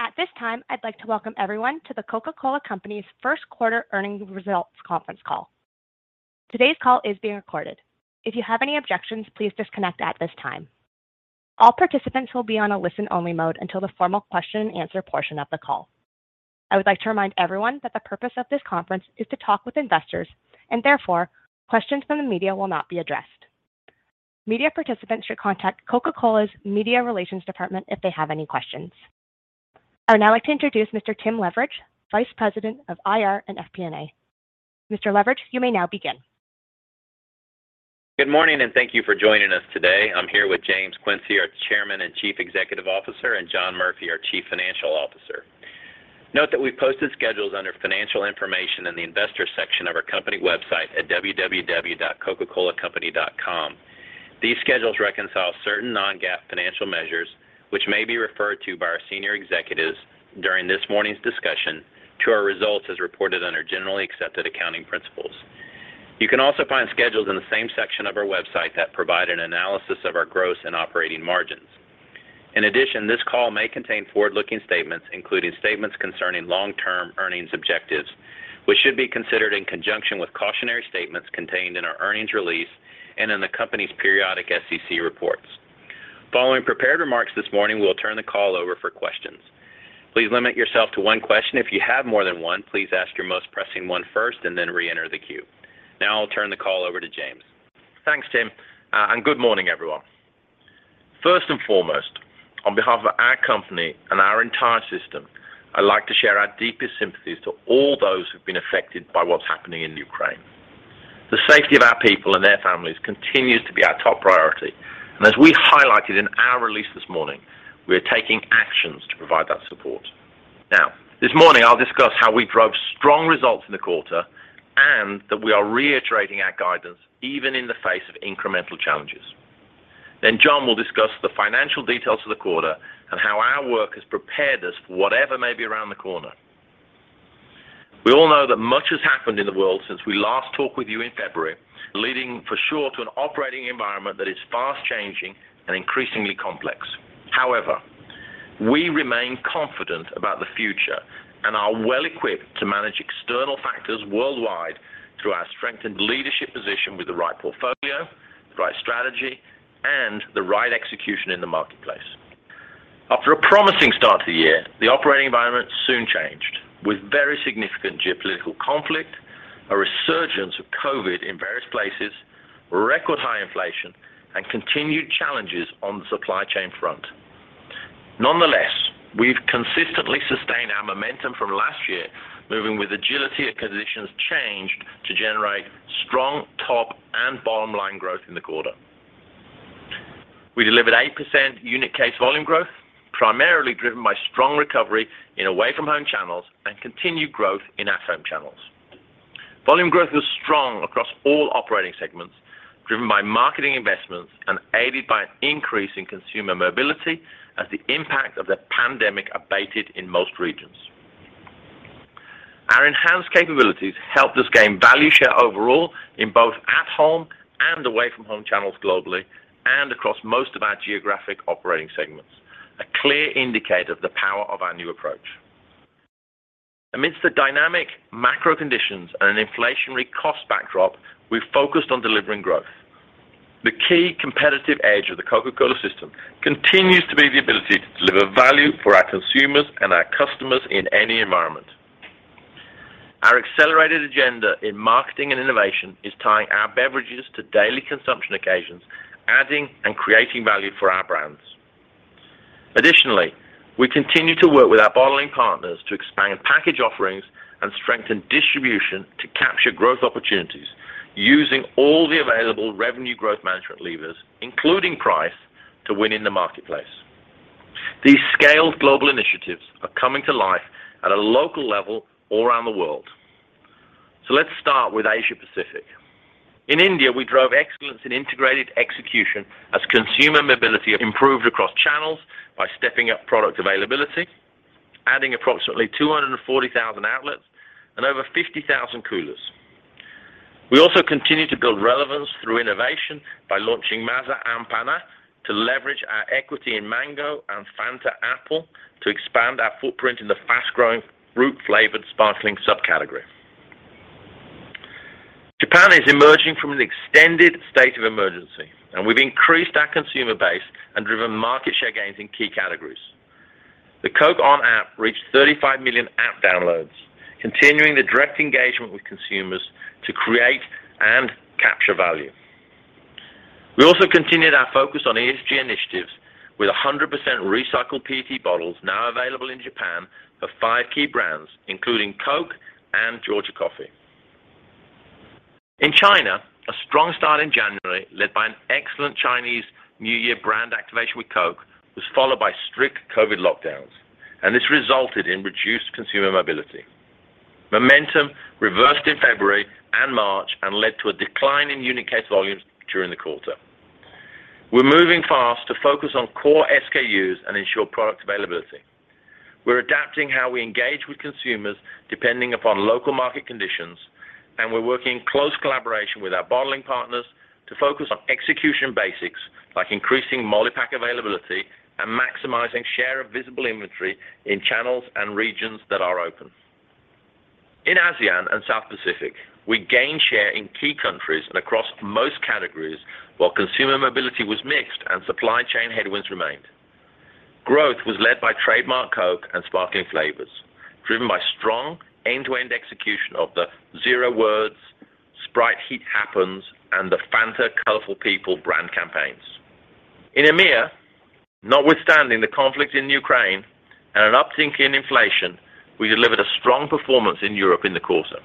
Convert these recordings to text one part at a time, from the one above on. At this time, I'd like to welcome everyone to The Coca-Cola Company's first quarter earnings results conference call. Today's call is being recorded. If you have any objections, please disconnect at this time. All participants will be on a listen-only mode until the formal question and answer portion of the call. I would like to remind everyone that the purpose of this conference is to talk with investors and therefore, questions from the media will not be addressed. Media participants should contact Coca-Cola's media relations department if they have any questions. I would now like to introduce Mr. Tim Leveridge, VP of IR and FP and A. Mr. Leveridge, you may now begin. Good morning, and thank you for joining us today. I'm here with James Quincey, our Chairman and Chief Executive Officer, and John Murphy, our Chief Financial Officer. Note that we've posted schedules under Financial Information in the Investors section of our company website at www.coca-colacompany.com. These schedules reconcile certain non-GAAP financial measures which may be referred to by our senior executives during this morning's discussion to our results as reported under generally accepted accounting principles. You can also find schedules in the same section of our website that provide an analysis of our gross and operating margins. In addition, this call may contain forward-looking statements, including statements concerning long-term earnings objectives, which should be considered in conjunction with cautionary statements contained in our earnings release and in the company's periodic SEC reports. Following prepared remarks this morning, we'll turn the call over for questions. Please limit yourself to one question. If you have more than one, please ask your most pressing one first and then reenter the queue. Now I'll turn the call over to James. Thanks, Tim, and good morning, everyone. First and foremost, on behalf of our company and our entire system, I'd like to share our deepest sympathies to all those who've been affected by what's happening in Ukraine. The safety of our people and their families continues to be our top priority. As we highlighted in our release this morning, we're taking actions to provide that support. Now, this morning I'll discuss how we drove strong results in the quarter and that we are reiterating our guidance even in the face of incremental challenges. Then John will discuss the financial details of the quarter and how our work has prepared us for whatever may be around the corner. We all know that much has happened in the world since we last talked with you in February, leading for sure to an operating environment that is fast-changing and increasingly complex. However, we remain confident about the future and are well equipped to manage external factors worldwide through our strengthened leadership position with the right portfolio, the right strategy, and the right execution in the marketplace. After a promising start to the year, the operating environment soon changed with very significant geopolitical conflict, a resurgence of COVID in various places, record high inflation, and continued challenges on the supply chain front. Nonetheless, we've consistently sustained our momentum from last year, moving with agility as conditions changed to generate strong top and bottom-line growth in the quarter. We delivered 8% unit case volume growth, primarily driven by strong recovery in away-from-home channels and continued growth in at-home channels. Volume growth was strong across all operating segments, driven by marketing investments and aided by an increase in consumer mobility as the impact of the pandemic abated in most regions. Our enhanced capabilities helped us gain value share overall in both at-home and away-from-home channels globally and across most of our geographic operating segments, a clear indicator of the power of our new approach. Amidst the dynamic macro conditions and an inflationary cost backdrop, we've focused on delivering growth. The key competitive edge of the Coca-Cola system continues to be the ability to deliver value for our consumers and our customers in any environment. Our accelerated agenda in marketing and innovation is tying our beverages to daily consumption occasions, adding and creating value for our brands. Additionally, we continue to work with our bottling partners to expand package offerings and strengthen distribution to capture growth opportunities using all the available revenue growth management levers, including price, to win in the marketplace. These scaled global initiatives are coming to life at a local level all around the world. Let's start with Asia Pacific. In India, we drove excellence in integrated execution as consumer mobility improved across channels by stepping up product availability, adding approximately 240,000 outlets and over 50,000 coolers. We also continued to build relevance through innovation by launching Maaza and Aam Panna to leverage our equity in mango and Fanta Apple to expand our footprint in the fast-growing fruit-flavored sparkling subcategory. Japan is emerging from an extended state of emergency, and we've increased our consumer base and driven market share gains in key categories. The Coke ON app reached 35 million app downloads, continuing the direct engagement with consumers to create and capture value. We also continued our focus on ESG initiatives with 100% recycled PET bottles now available in Japan for 5 key brands, including Coke and Georgia Coffee. In China, a strong start in January, led by an excellent Chinese New Year brand activation with Coke, was followed by strict COVID lockdowns, and this resulted in reduced consumer mobility. Momentum reversed in February and March and led to a decline in unit case volumes during the quarter. We're moving fast to focus on core SKUs and ensure product availability. We're adapting how we engage with consumers depending upon local market conditions. We're working in close collaboration with our bottling partners to focus on execution basics, like increasing multi-pack availability and maximizing share of visible inventory in channels and regions that are open. In ASEAN and South Pacific, we gained share in key countries and across most categories, while consumer mobility was mixed and supply chain headwinds remained. Growth was led by trademark Coke and sparkling flavors, driven by strong end-to-end execution of the Zero words, Sprite Heat Happens, and the Fanta Colorful People brand campaigns. In EMEA, notwithstanding the conflict in Ukraine and an uptick in inflation, we delivered a strong performance in Europe in the quarter.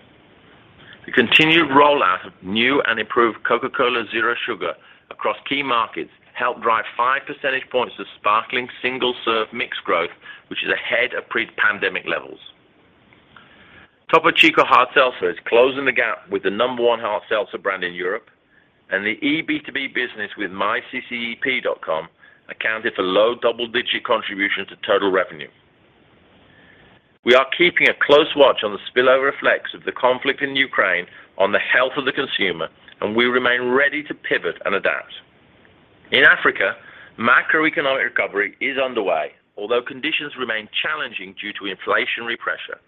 The continued rollout of new and improved Coca-Cola Zero Sugar across key markets helped drive five percentage points of sparkling single-serve mix growth, which is ahead of pre-pandemic levels. Topo Chico Hard Seltzer is closing the gap with the number one hard seltzer brand in Europe, and the B2B business with myccep.com accounted for low double-digit contribution to total revenue. We are keeping a close watch on the spillover effects of the conflict in Ukraine on the health of the consumer, and we remain ready to pivot and adapt. In Africa, macroeconomic recovery is underway, although conditions remain challenging due to inflationary pressure.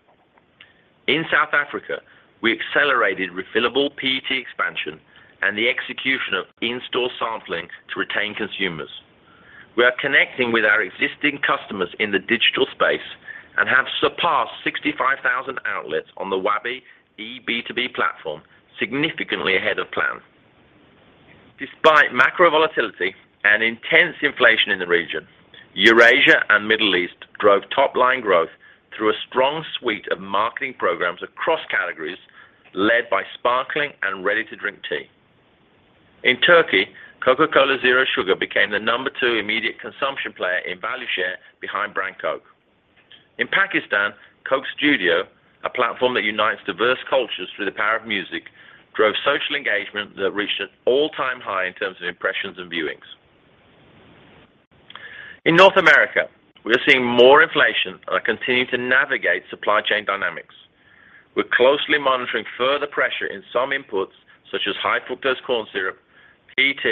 In South Africa, we accelerated refillable PET expansion and the execution of in-store sampling to retain consumers. We are connecting with our existing customers in the digital space and have surpassed 65,000 outlets on the Wabi B2B platform, significantly ahead of plan. Despite macro volatility and intense inflation in the region, Eurasia and Middle East drove top-line growth through a strong suite of marketing programs across categories led by sparkling and ready-to-drink tea. In Turkey, Coca-Cola Zero Sugar became the number 2 immediate consumption player in value share behind brand Coke. In Pakistan, Coke Studio, a platform that unites diverse cultures through the power of music, drove social engagement that reached an all-time high in terms of impressions and viewings. In North America, we are seeing more inflation and are continuing to navigate supply chain dynamics. We're closely monitoring further pressure in some inputs, such as high-fructose corn syrup, PET,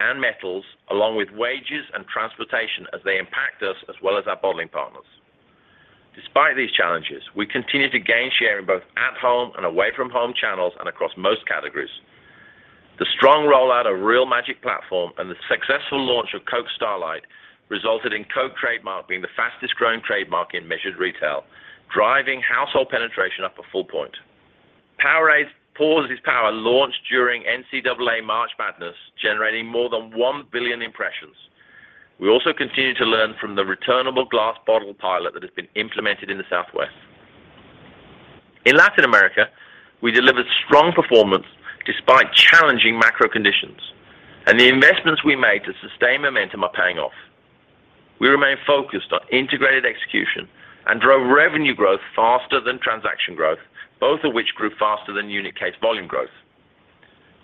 and metals, along with wages and transportation as they impact us as well as our bottling partners. Despite these challenges, we continue to gain share in both at-home and away-from-home channels and across most categories. The strong rollout of Real Magic platform and the successful launch of Coke Starlight resulted in Coke trademark being the fastest-growing trademark in measured retail, driving household penetration up a full point. Powerade's Pause Is Power launched during NCAA March Madness, generating more than 1 billion impressions. We also continue to learn from the returnable glass bottle pilot that has been implemented in the Southwest. In Latin America, we delivered strong performance despite challenging macro conditions, and the investments we made to sustain momentum are paying off. We remain focused on integrated execution and drove revenue growth faster than transaction growth, both of which grew faster than unit case volume growth.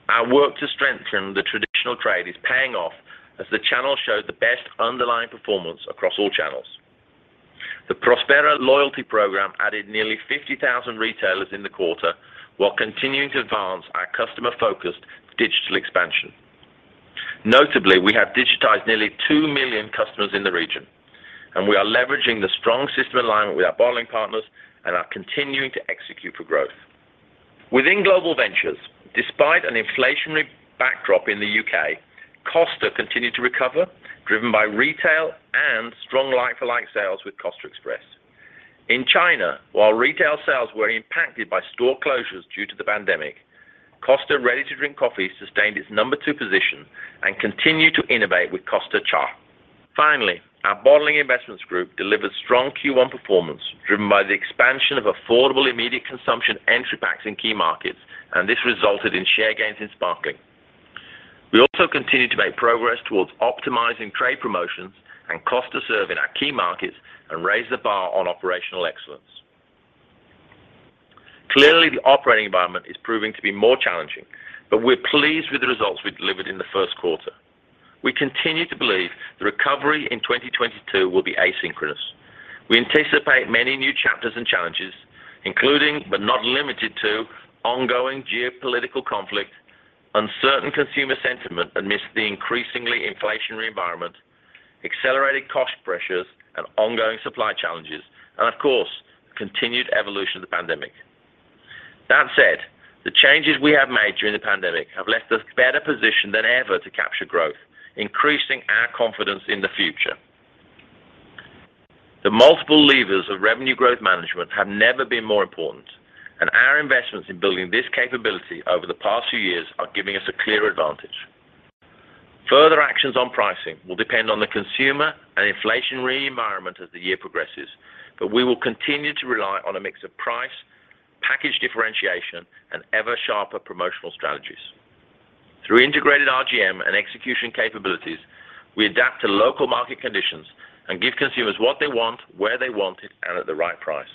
Our work to strengthen the traditional trade is paying off as the channel showed the best underlying performance across all channels. The Prospera loyalty program added nearly 50,000 retailers in the quarter while continuing to advance our customer-focused digital expansion. Notably, we have digitized nearly 2 million customers in the region, and we are leveraging the strong system alignment with our bottling partners and are continuing to execute for growth. Within global ventures, despite an inflationary backdrop in the U.K., Costa continued to recover, driven by retail and strong like-for-like sales with Costa Express. In China, while retail sales were impacted by store closures due to the pandemic, Costa ready-to-drink coffee sustained its number two position and continued to innovate with Costa Chai. Finally, our bottling investments group delivered strong Q1 performance, driven by the expansion of affordable immediate consumption entry packs in key markets, and this resulted in share gains in sparkling. We also continued to make progress towards optimizing trade promotions and cost to serve in our key markets and raised the bar on operational excellence. Clearly, the operating environment is proving to be more challenging, but we're pleased with the results we delivered in the first quarter. We continue to believe the recovery in 2022 will be asynchronous. We anticipate many new chapters and challenges, including, but not limited to, ongoing geopolitical conflict, uncertain consumer sentiment amidst the increasingly inflationary environment, accelerated cost pressures and ongoing supply challenges, and of course, continued evolution of the pandemic. That said, the changes we have made during the pandemic have left us better positioned than ever to capture growth, increasing our confidence in the future. The multiple levers of revenue growth management have never been more important, and our investments in building this capability over the past few years are giving us a clear advantage. Further actions on pricing will depend on the consumer and inflationary environment as the year progresses, but we will continue to rely on a mix of price, package differentiation, and ever-sharper promotional strategies. Through integrated RGM and execution capabilities, we adapt to local market conditions and give consumers what they want, where they want it, and at the right price.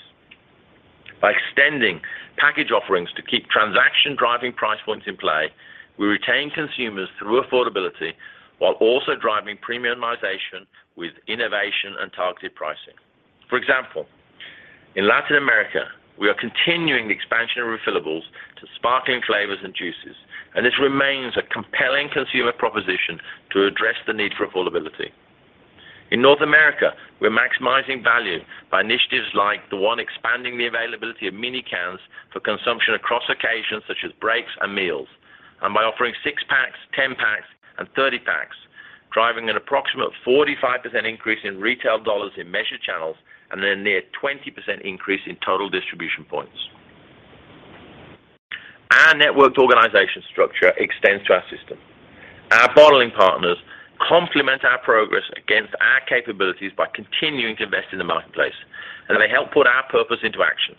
By extending package offerings to keep transaction-driving price points in play, we retain consumers through affordability while also driving premiumization with innovation and targeted pricing. For example, in Latin America, we are continuing the expansion of refillables to sparkling flavors and juices, and this remains a compelling consumer proposition to address the need for affordability. In North America, we're maximizing value by initiatives like the one expanding the availability of mini cans for consumption across occasions such as breaks and meals, and by offering 6 packs, 10 packs, and 30 packs, driving an approximate 45% increase in retail dollars in measured channels and then near 20% increase in total distribution points. Our networked organization structure extends to our system. Our bottling partners complement our progress against our capabilities by continuing to invest in the marketplace, and they help put our purpose into action.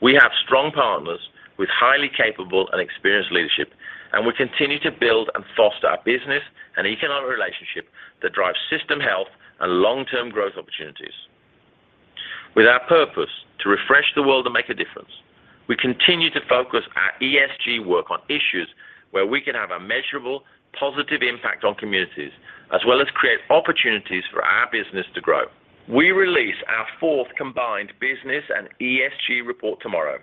We have strong partners with highly capable and experienced leadership, and we continue to build and foster our business and economic relationship that drives system health and long-term growth opportunities. With our purpose to refresh the world and make a difference, we continue to focus our ESG work on issues where we can have a measurable, positive impact on communities, as well as create opportunities for our business to grow. We release our fourth combined business and ESG report tomorrow,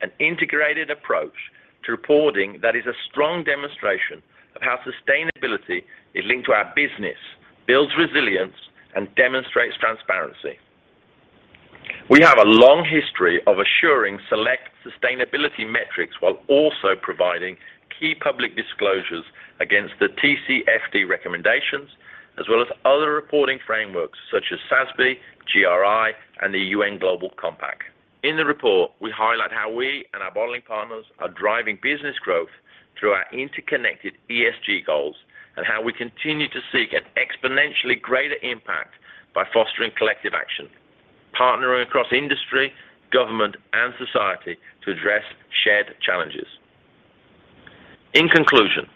an integrated approach to reporting that is a strong demonstration of how sustainability is linked to our business, builds resilience, and demonstrates transparency. We have a long history of assuring select sustainability metrics while also providing key public disclosures against the TCFD recommendations as well as other reporting frameworks such as SASB, GRI, and the UN Global Compact. In the report, we highlight how we and our bottling partners are driving business growth through our interconnected ESG goals and how we continue to seek an exponentially greater impact by fostering collective action, partnering across industry, government, and society to address shared challenges. In conclusion,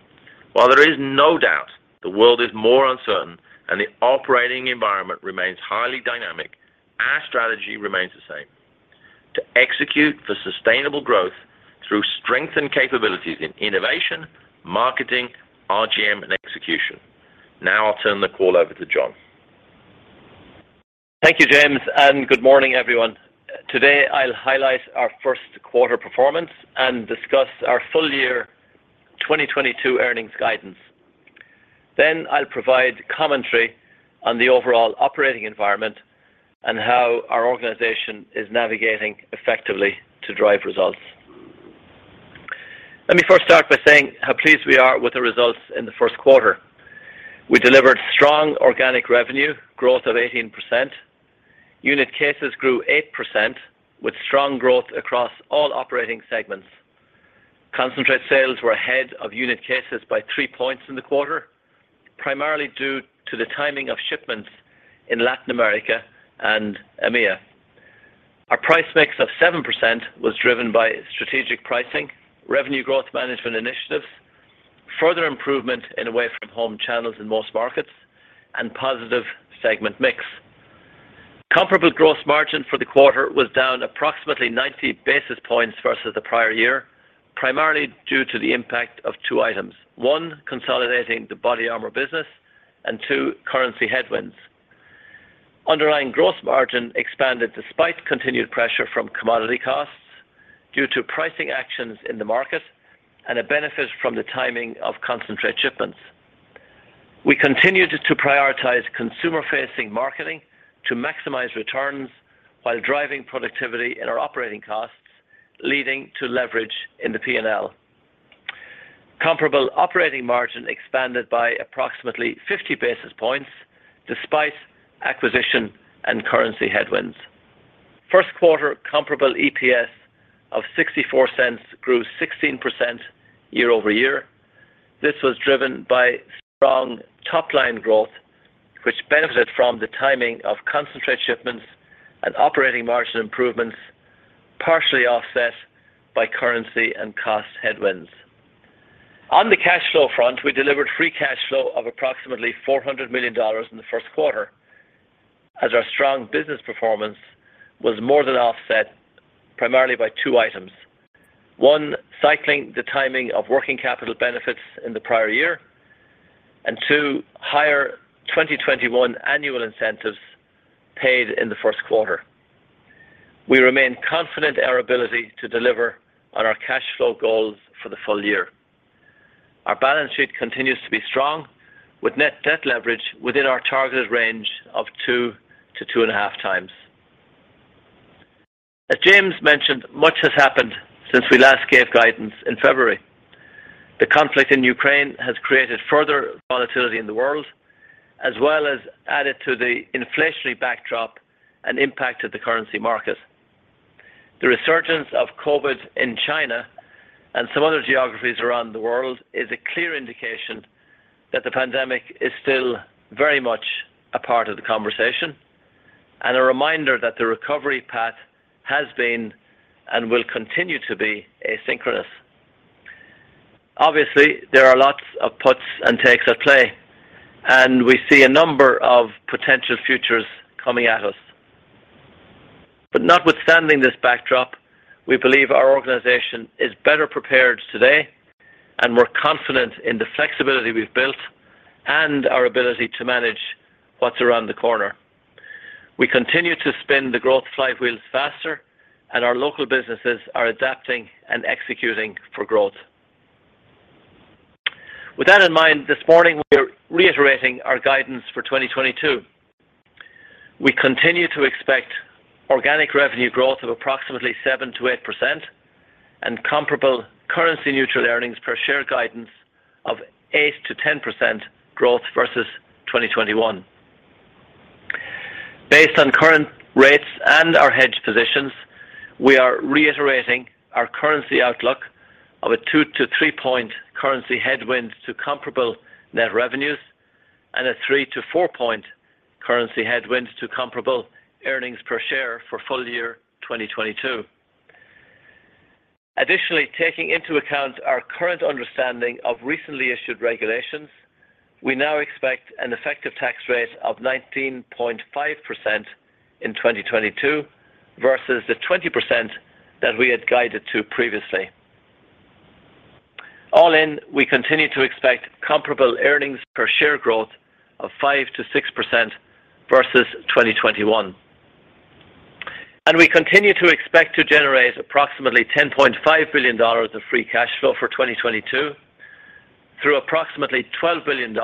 while there is no doubt the world is more uncertain and the operating environment remains highly dynamic, our strategy remains the same: to execute for sustainable growth through strengthened capabilities in innovation, marketing, RGM, and execution. Now I'll turn the call over to John. Thank you, James, and good morning, everyone. Today, I'll highlight our first quarter performance and discuss our full year 2022 earnings guidance. I'll provide commentary on the overall operating environment and how our organization is navigating effectively to drive results. Let me first start by saying how pleased we are with the results in the first quarter. We delivered strong organic revenue growth of 18%. Unit cases grew 8% with strong growth across all operating segments. Concentrate sales were ahead of unit cases by 3 points in the quarter, primarily due to the timing of shipments in Latin America and EMEA. Our price mix of 7% was driven by strategic pricing, revenue growth management initiatives, further improvement in away-from-home channels in most markets, and positive segment mix. Comparable gross margin for the quarter was down approximately 90 basis points versus the prior year, primarily due to the impact of two items. One, consolidating the BODYARMOR business, and two, currency headwinds. Underlying gross margin expanded despite continued pressure from commodity costs due to pricing actions in the market and a benefit from the timing of concentrate shipments. We continued to prioritize consumer-facing marketing to maximize returns while driving productivity in our operating costs, leading to leverage in the P&L. Comparable operating margin expanded by approximately 50 basis points despite acquisition and currency headwinds. First quarter comparable EPS of $0.64 grew 16% year-over-year. This was driven by strong top-line growth, which benefited from the timing of concentrate shipments and operating margin improvements, partially offset by currency and cost headwinds. On the cash flow front, we delivered free cash flow of approximately $400 million in the first quarter as our strong business performance was more than offset primarily by two items. One, cycling the timing of working capital benefits in the prior year. Two, higher 2021 annual incentives paid in the first quarter. We remain confident in our ability to deliver on our cash flow goals for the full year. Our balance sheet continues to be strong with net debt leverage within our targeted range of 2-2.5 times. James mentioned, much has happened since we last gave guidance in February. The conflict in Ukraine has created further volatility in the world, as well as added to the inflationary backdrop and impacted the currency market. The resurgence of COVID in China and some other geographies around the world is a clear indication that the pandemic is still very much a part of the conversation and a reminder that the recovery path has been and will continue to be asynchronous. Obviously, there are lots of puts and takes at play, and we see a number of potential futures coming at us. Notwithstanding this backdrop, we believe our organization is better prepared today and we're confident in the flexibility we've built and our ability to manage what's around the corner. We continue to spin the growth flight wheels faster and our local businesses are adapting and executing for growth. With that in mind, this morning, we're reiterating our guidance for 2022. We continue to expect organic revenue growth of approximately 7%-8% and comparable currency neutral earnings per share guidance of 8%-10% growth versus 2021. Based on current rates and our hedge positions, we are reiterating our currency outlook of a 2-3 point currency headwind to comparable net revenues and a 3-4 point currency headwind to comparable earnings per share for full year 2022. Additionally, taking into account our current understanding of recently issued regulations, we now expect an effective tax rate of 19.5% in 2022 versus the 20% that we had guided to previously. All in, we continue to expect comparable earnings per share growth of 5%-6% versus 2021. We continue to expect to generate approximately $10.5 billion of free cash flow for 2022 through approximately $12 billion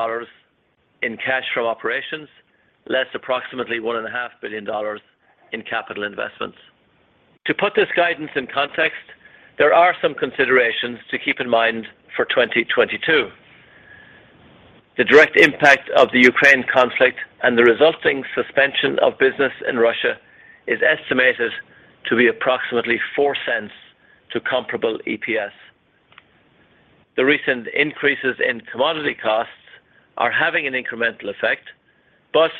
in cash from operations, less approximately $1.5 billion in capital investments. To put this guidance in context, there are some considerations to keep in mind for 2022. The direct impact of the Ukraine conflict and the resulting suspension of business in Russia is estimated to be approximately $0.04 to comparable EPS. The recent increases in commodity costs are having an incremental effect, but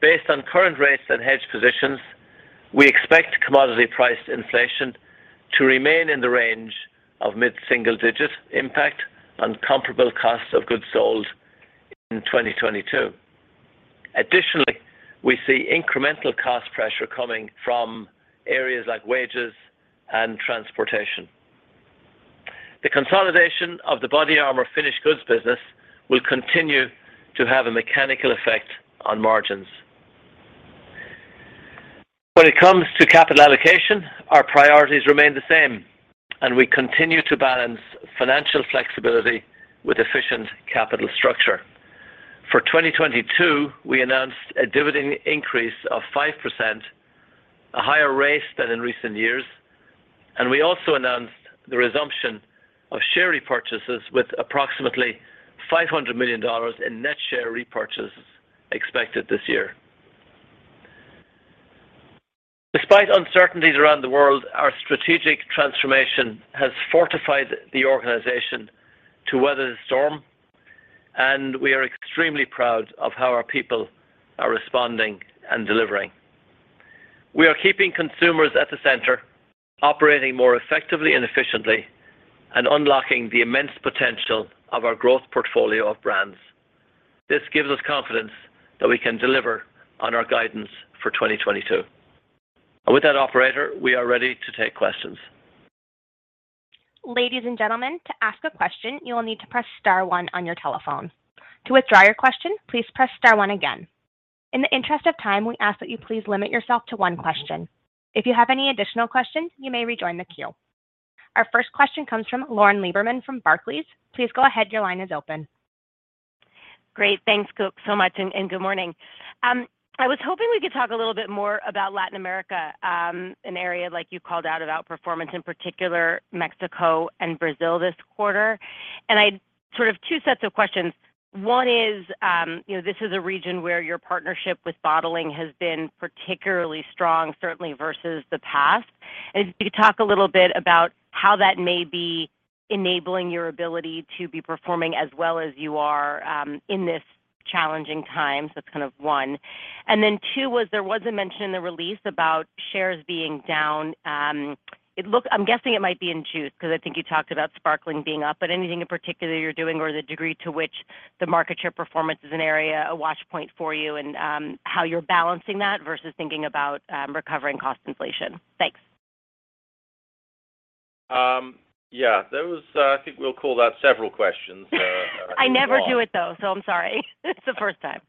based on current rates and hedge positions, we expect commodity price inflation to remain in the range of mid-single digits impact on comparable costs of goods sold in 2022. Additionally, we see incremental cost pressure coming from areas like wages and transportation. The consolidation of the BODYARMOR finished goods business will continue to have a mechanical effect on margins. When it comes to capital allocation, our priorities remain the same, and we continue to balance financial flexibility with efficient capital structure. For 2022, we announced a dividend increase of 5%, a higher rate than in recent years, and we also announced the resumption of share repurchases with approximately $500 million in net share repurchases expected this year. Despite uncertainties around the world, our strategic transformation has fortified the organization to weather the storm, and we are extremely proud of how our people are responding and delivering. We are keeping consumers at the center, operating more effectively and efficiently, and unlocking the immense potential of our growth portfolio of brands. This gives us confidence that we can deliver on our guidance for 2022. With that operator, we are ready to take questions. Ladies and gentlemen, to ask a question, you will need to press star one on your telephone. To withdraw your question, please press star one again. In the interest of time, we ask that you please limit yourself to one question. If you have any additional questions, you may rejoin the queue. Our first question comes from Lauren Lieberman from Barclays. Please go ahead. Your line is open. Great. Thanks so much. Good morning. I was hoping we could talk a little bit more about Latin America, an area like you called out about performance, in particular Mexico and Brazil this quarter. Sort of two sets of questions. One is, you know, this is a region where your partnership with bottling has been particularly strong, certainly versus the past. If you could talk a little bit about how that may be enabling your ability to be performing as well as you are, in this challenging time. That's kind of one. Then two, there was a mention in the release about shares being down. I'm guessing it might be in juice because I think you talked about sparkling being up, but anything in particular you're doing or the degree to which the market share performance is an area, a watch point for you and, how you're balancing that versus thinking about, recovering cost inflation. Thanks. Yeah, that was, I think we'll call that several questions. I never do it, though, so I'm sorry. It's the first time.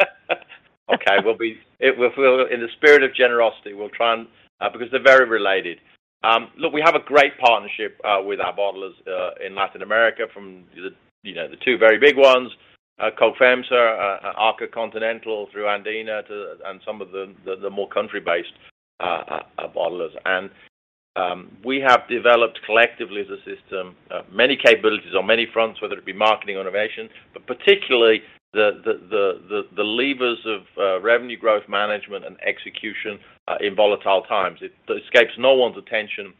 Okay. In the spirit of generosity, we'll try and because they're very related. Look, we have a great partnership with our bottlers in Latin America from the two very big ones, Coca-Cola FEMSA, Arca Continental through Andina and some of the more country-based bottlers. We have developed collectively as a system many capabilities on many fronts, whether it be marketing innovation, but particularly the levers of revenue growth management and execution in volatile times. It escapes no one's attention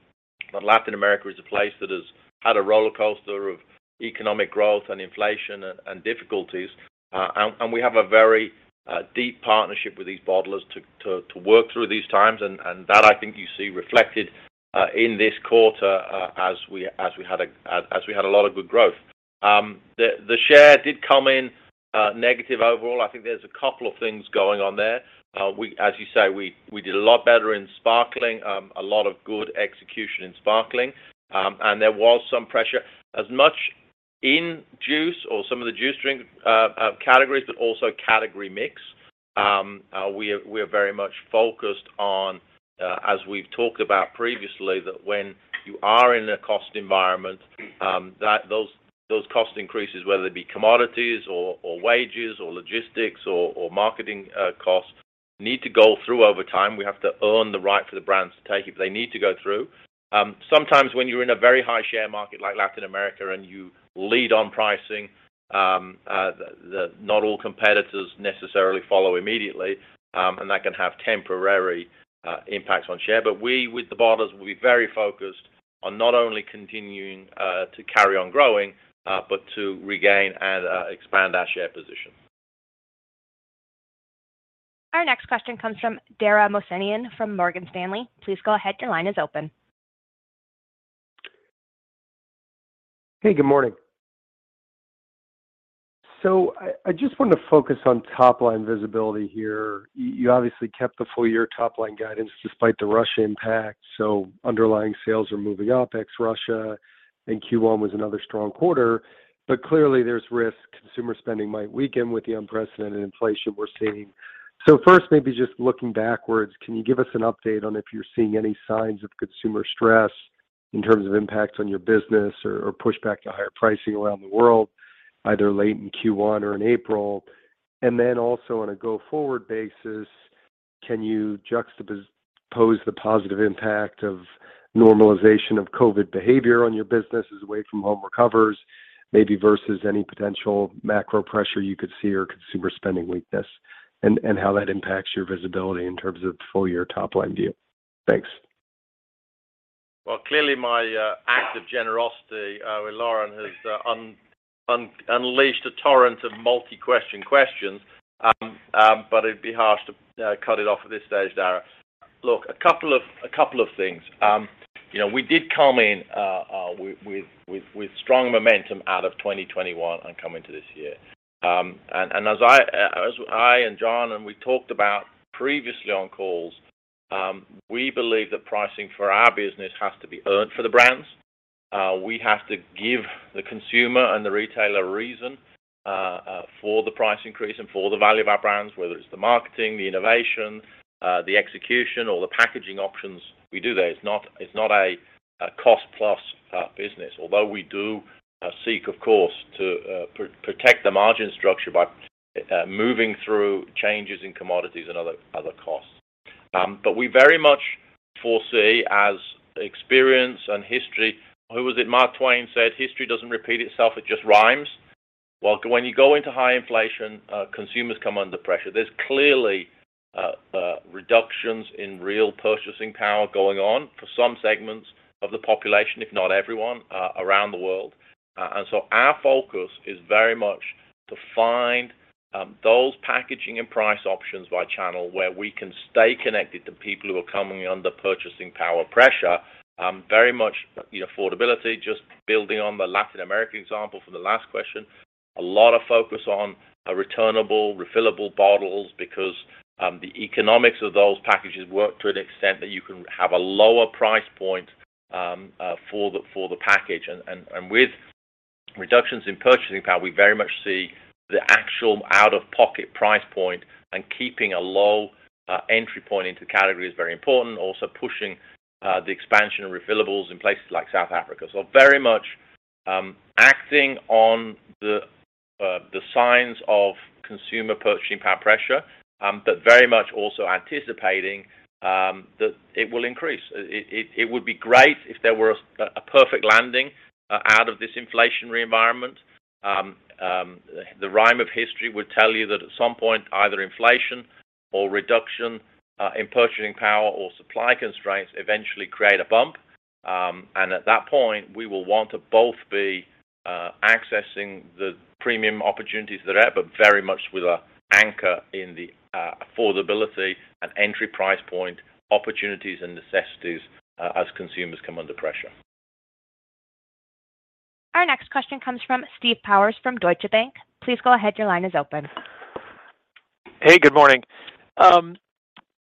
that Latin America is a place that has had a roller coaster of economic growth and inflation and difficulties. We have a very deep partnership with these bottlers to work through these times. That I think you see reflected in this quarter as we had a lot of good growth. The share did come in Negative overall. I think there's a couple of things going on there. As you say, we did a lot better in sparkling, a lot of good execution in sparkling. And there was some pressure as much in juice or some of the juice drink categories, but also category mix. We're very much focused on, as we've talked about previously, that when you are in a cost environment, that those cost increases, whether it be commodities or wages, or logistics or marketing costs, need to go through over time. We have to earn the right for the brands to take it, but they need to go through. Sometimes when you're in a very high share market like Latin America and you lead on pricing, not all competitors necessarily follow immediately, and that can have temporary impacts on share. We, with the bottlers, we're very focused on not only continuing to carry on growing, but to regain and expand our share position. Our next question comes from Dara Mohsenian from Morgan Stanley. Please go ahead. Your line is open. Hey, good morning. I just want to focus on top-line visibility here. You obviously kept the full year top line guidance despite the Russia impact, underlying sales are moving up ex-Russia, and Q1 was another strong quarter. Clearly, there's risk consumer spending might weaken with the unprecedented inflation we're seeing. First, maybe just looking backwards, can you give us an update on if you're seeing any signs of consumer stress in terms of impacts on your business or pushback to higher pricing around the world, either late in Q1 or in April? Also on a go-forward basis, can you juxtapose the positive impact of normalization of COVID behavior on your business as away from home recovers, maybe versus any potential macro pressure you could see or consumer spending weakness, and how that impacts your visibility in terms of full-year top-line view? Thanks. Well, clearly my act of generosity with Lauren has unleashed a torrent of multi-question questions. It'd be harsh to cut it off at this stage, Dara. Look, a couple of things. You know, we did come in with strong momentum out of 2021 and come into this year. As I and John and we talked about previously on calls, we believe that pricing for our business has to be earned for the brands. We have to give the consumer and the retailer a reason for the price increase and for the value of our brands, whether it's the marketing, the innovation, the execution, or the packaging options we do there. It's not a cost-plus business, although we do seek, of course, to protect the margin structure by moving through changes in commodities and other costs. We very much foresee, as experience and history. Who was it? Mark Twain said, "History doesn't repeat itself, it just rhymes." Well, when you go into high inflation, consumers come under pressure. There's clearly reductions in real purchasing power going on for some segments of the population, if not everyone, around the world. Our focus is very much to find those packaging and price options by channel where we can stay connected to people who are coming under purchasing power pressure, very much affordability. Just building on the Latin American example from the last question, a lot of focus on a returnable, refillable bottles because the economics of those packages work to an extent that you can have a lower price point for the package. With reductions in purchasing power, we very much see the actual out-of-pocket price point and keeping a low entry point into category is very important, also pushing the expansion of refillables in places like South Africa. Very much acting on the signs of consumer purchasing power pressure, but very much also anticipating that it will increase. It would be great if there were a perfect landing out of this inflationary environment. The rhyme of history would tell you that at some point, either inflation or reduction in purchasing power or supply constraints eventually create a bump. At that point, we will want to both be accessing the premium opportunities that are, but very much with an anchor in the affordability and entry price point, opportunities and necessities as consumers come under pressure. Our next question comes from Steve Powers from Deutsche Bank. Please go ahead. Your line is open. Hey, good morning.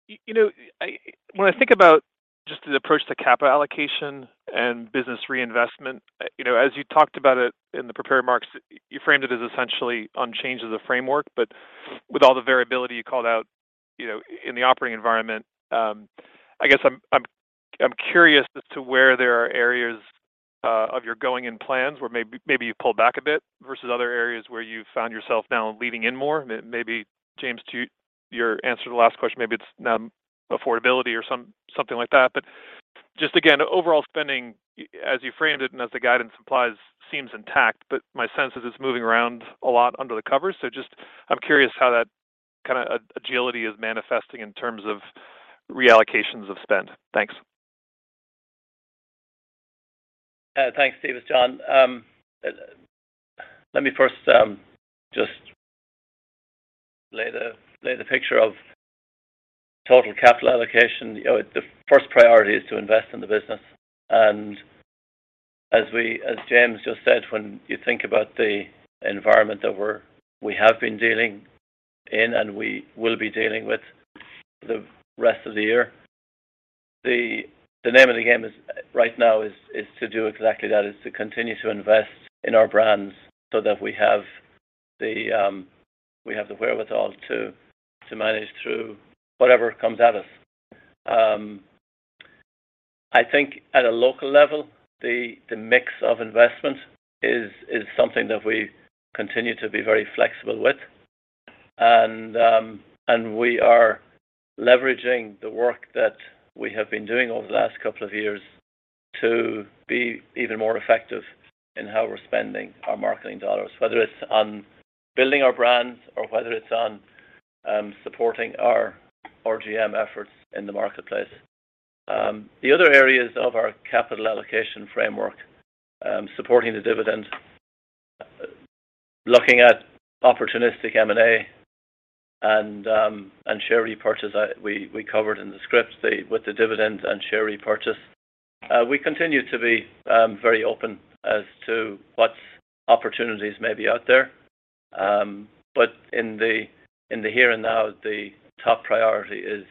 You know, when I think about just the approach to capital allocation and business reinvestment as you talked about it in the prepared remarks, you framed it as essentially unchanged as a framework, but with all the variability you called out, in the operating environment, I guess I'm curious as to where there are areas of your going-in plans where maybe you pull back a bit versus other areas where you found yourself now leaning in more. Maybe, James, to your answer to the last question, maybe it's now affordability or something like that. But just again, overall spending, as you framed it and as the guidance implies, seems intact, but my sense is it's moving around a lot under the covers. Just I'm curious how that kind of agility is manifesting in terms of reallocations of spend. Thanks. Thanks, Steve. It's John. Let me first just lay the picture of total capital allocation the first priority is to invest in the business. As James just said, when you think about the environment that we have been dealing in and we will be dealing with for the rest of the year, the name of the game right now is to do exactly that, is to continue to invest in our brands so that we have the wherewithal to manage through whatever comes at us. I think at a local level, the mix of investment is something that we continue to be very flexible with. We are leveraging the work that we have been doing over the last couple of years to be even more effective in how we're spending our marketing dollars. Whether it's on building our brands or whether it's on supporting our RGM efforts in the marketplace. The other areas of our capital allocation framework, supporting the dividend, looking at opportunistic M&A and share repurchase, we covered in the script with the dividend and share repurchase. We continue to be very open as to what opportunities may be out there. In the here and now, the top priority is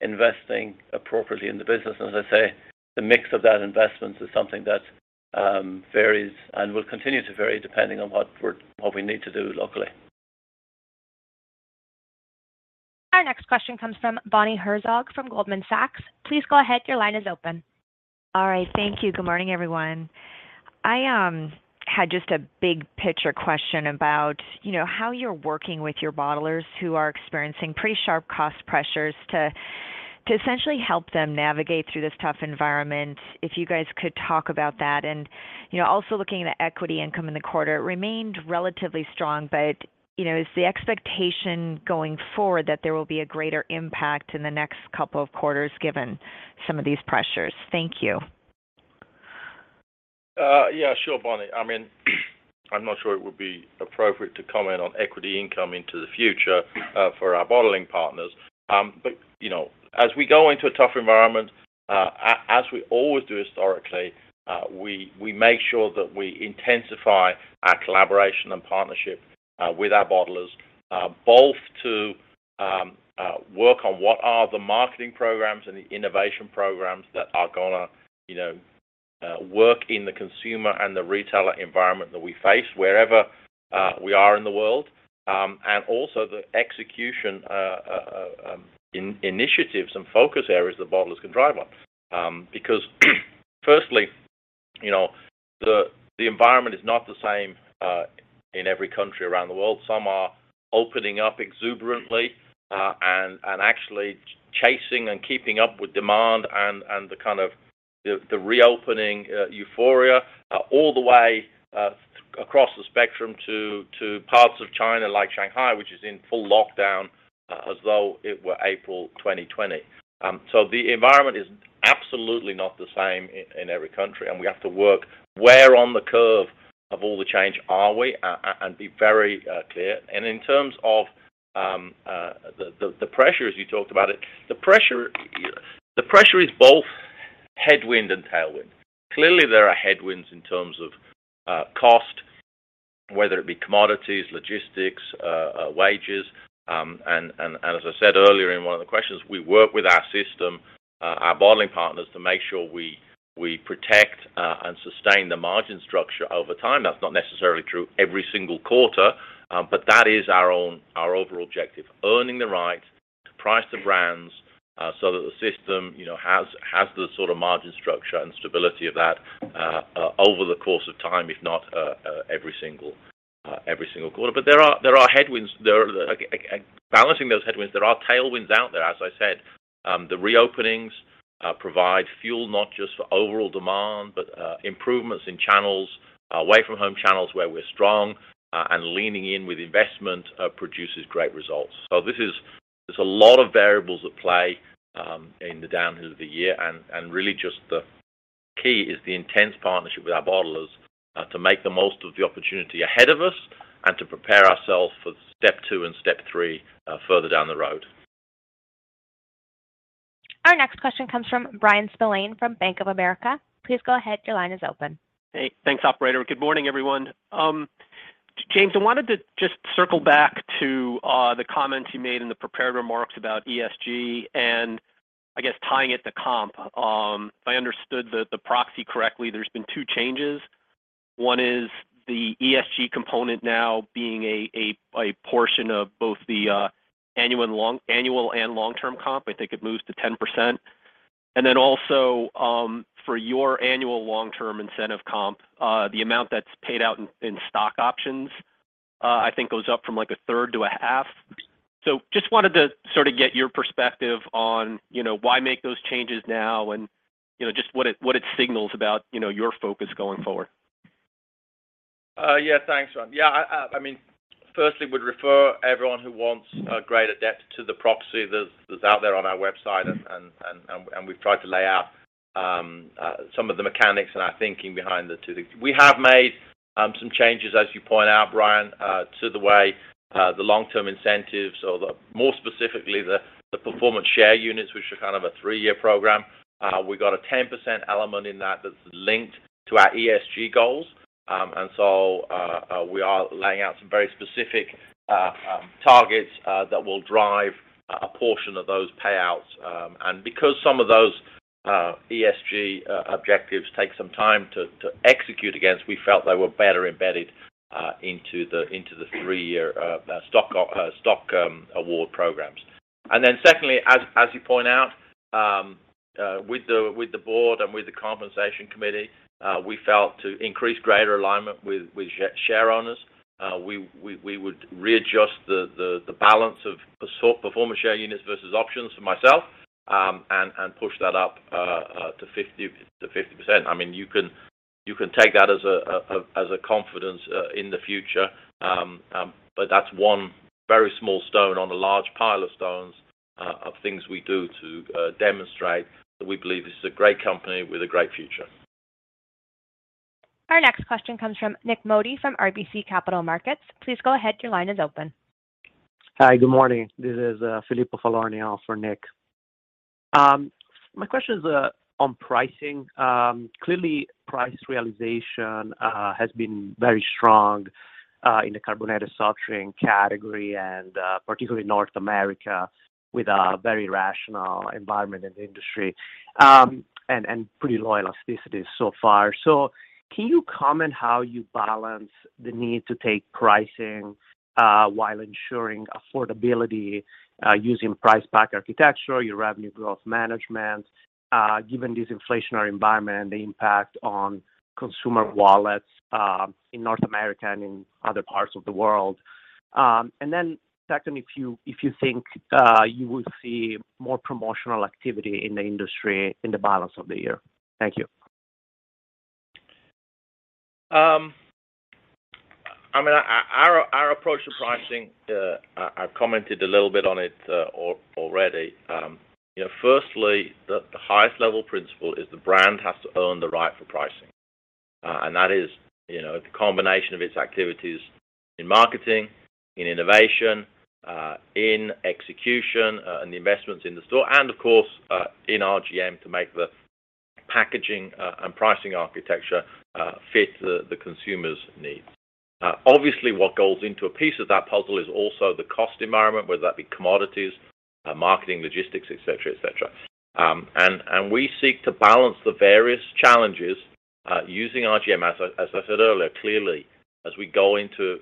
investing appropriately in the business. As I say, the mix of that investment is something that varies and will continue to vary depending on what we need to do locally. Our next question comes from Bonnie Herzog from Goldman Sachs. Please go ahead, your line is open. All right, thank you. Good morning, everyone. I had just a big picture question about how you're working with your bottlers who are experiencing pretty sharp cost pressures to essentially help them navigate through this tough environment. If you guys could talk about that. You know, also looking at the equity income in the quarter, it remained relatively strong. You know, is the expectation going forward that there will be a greater impact in the next couple of quarters given some of these pressures? Thank you. Yeah, sure, Bonnie. I mean, I'm not sure it would be appropriate to comment on equity income into the future for our bottling partners. You know, as we go into a tougher environment, as we always do historically, we make sure that we intensify our collaboration and partnership with our bottlers both to work on what are the marketing programs and the innovation programs that are gonna work in the consumer and the retailer environment that we face wherever we are in the world and also the execution initiatives and focus areas that bottlers can drive on. Because firstly, the environment is not the same in every country around the world. Some are opening up exuberantly and actually chasing and keeping up with demand and the kind of reopening euphoria all the way across the spectrum to parts of China like Shanghai, which is in full lockdown as though it were April 2020. The environment is absolutely not the same in every country, and we have to work where on the curve of all the change are we and be very clear. In terms of the pressure, as you talked about it, the pressure is both headwind and tailwind. Clearly, there are headwinds in terms of cost, whether it be commodities, logistics, wages. As I said earlier in one of the questions, we work with our system, our bottling partners to make sure we protect and sustain the margin structure over time. That's not necessarily true every single quarter. But that is our overall objective, earning the right price of brands, so that the system, has the sort of margin structure and stability of that over the course of time, if not every single quarter. There are headwinds. There are headwinds. And balancing those headwinds, there are tailwinds out there. As I said, the reopenings provide fuel not just for overall demand, but improvements in channels, away from home channels where we're strong, and leaning in with investment produces great results. There's a lot of variables at play in the second half of the year. Really, the key is the intense partnership with our bottlers to make the most of the opportunity ahead of us and to prepare ourselves for step two and step three further down the road. Our next question comes from Bryan Spillane from Bank of America. Please go ahead, your line is open. Hey. Thanks, operator. Good morning, everyone. James, I wanted to just circle back to the comments you made in the prepared remarks about ESG and I guess tying it to comp. If I understood the proxy correctly, there's been 2 changes. One is the ESG component now being a portion of both the annual and long-term comp. I think it moves to 10%. And then also, for your annual long-term incentive comp, the amount that's paid out in stock options, I think goes up from, like, a third to a half. Just wanted to sort of get your perspective on, why make those changes now and just what it signals about your focus going forward. Thanks, Bryan. I mean, firstly, I would refer everyone who wants a greater depth to the proxy that's out there on our website. We've tried to lay out some of the mechanics and our thinking behind the two. We have made some changes, as you point out, Bryan, to the way the long-term incentives or the—more specifically, the performance share units, which are kind of a three-year program. We've got a 10% element in that that's linked to our ESG goals. We are laying out some very specific targets that will drive a portion of those payouts. Because some of those ESG objectives take some time to execute against, we felt they were better embedded into the three-year stock award programs. Secondly, as you point out, with the board and with the compensation committee, we felt to increase greater alignment with share owners, we would readjust the balance of PSU, performance share units versus options for myself, and push that up to 50%. I mean, you can take that as a confidence in the future, but that's one very small stone on a large pile of stones of things we do to demonstrate that we believe this is a great company with a great future. Our next question comes from Filippo Falorni for Nik Modi from RBC Capital Markets. Please go ahead, your line is open. Hi, good morning. This is Filippo Falorni for Nick. My question is on pricing. Clearly price realization has been very strong in the carbonated soft drink category and particularly North America with a very rational environment in the industry and pretty low elasticity so far. Can you comment how you balance the need to take pricing while ensuring affordability using price pack architecture, your revenue growth management, given this inflationary environment and the impact on consumer wallets in North America and in other parts of the world? And then secondly, if you think you will see more promotional activity in the industry in the balance of the year. Thank you. I mean, our approach to pricing, I've commented a little bit on it already. You know, firstly, the highest level principle is the brand has to own the right for pricing. That is the combination of its activities in marketing, in innovation, in execution, and the investments in the store, and of course, in RGM to make the packaging and pricing architecture fit the consumer's needs. Obviously, what goes into a piece of that puzzle is also the cost environment, whether that be commodities, marketing, logistics, et cetera, et cetera. We seek to balance the various challenges using RGM. As I said earlier, clearly, as we go into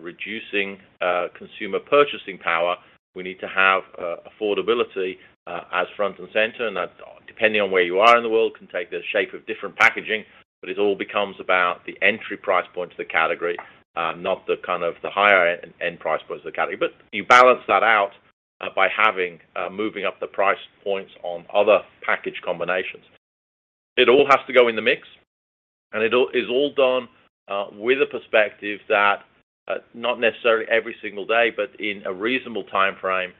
reducing consumer purchasing power, we need to have affordability as front and center, and that, depending on where you are in the world, can take the shape of different packaging, but it all becomes about the entry price point to the category, not the kind of the higher end price point of the category. You balance that out by having moving up the price points on other package combinations. It all has to go in the mix, and it is all done with a perspective that, not necessarily every single day, but in a reasonable time frame,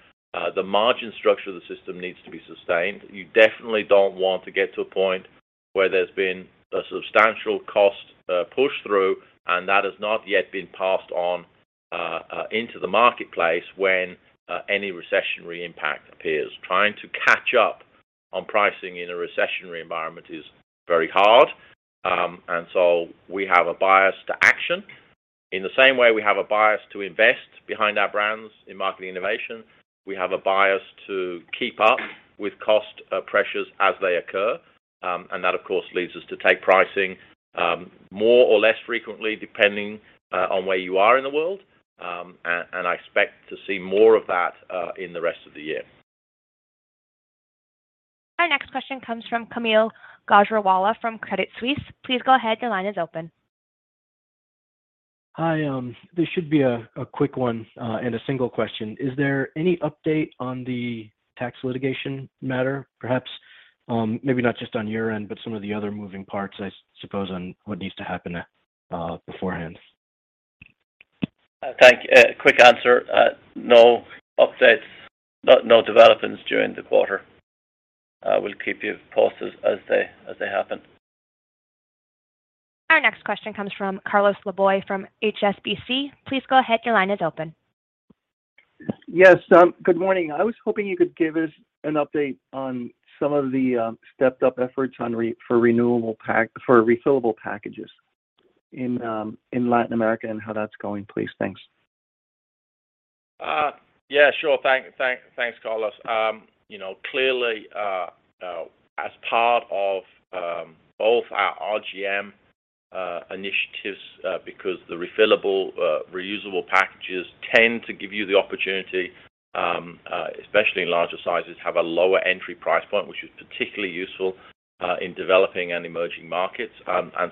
the margin structure of the system needs to be sustained. You definitely don't want to get to a point where there's been a substantial cost push-through and that has not yet been passed on into the marketplace when any recessionary impact appears. Trying to catch up on pricing in a recessionary environment is very hard. We have a bias to action. In the same way we have a bias to invest behind our brands in marketing innovation, we have a bias to keep up with cost pressures as they occur, and that, of course, leads us to take pricing more or less frequently depending on where you are in the world, and I expect to see more of that in the rest of the year. Our next question comes from Kaumil Gajrawala from Credit Suisse. Please go ahead, your line is open. Hi. This should be a quick one, and a single question. Is there any update on the tax litigation matter, perhaps, maybe not just on your end, but some of the other moving parts, I suppose, on what needs to happen, beforehand? Thank you. Quick answer. No updates, no developments during the quarter. We'll keep you posted as they happen. Our next question comes from Carlos Laboy from HSBC. Please go ahead, your line is open. Yes, good morning. I was hoping you could give us an update on some of the stepped up efforts for refillable packages in Latin America and how that's going, please. Thanks. Thanks, Carlos. You know, clearly, as part of both our RGM initiatives, because the refillable reusable packages tend to give you the opportunity, especially in larger sizes, have a lower entry price point, which is particularly useful in developing and emerging markets.